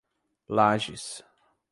Lajes